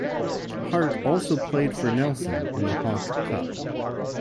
Hart also played for Nelson in the Hawke Cup.